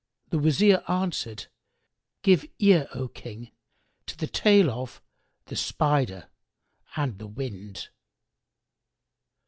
the Wazir answered, "Give ear, O King, to the tale of The Spider and the Wind.